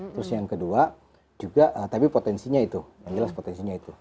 terus yang kedua juga tapi potensinya itu yang jelas potensinya itu